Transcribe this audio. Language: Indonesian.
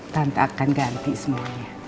tante akan ganti semuanya